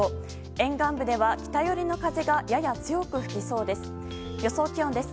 沿岸部では、北寄りの風がやや強く吹きそうです。